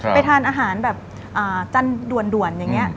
ไปทานอาหารแบบจันทร์ด่วนอย่างนี้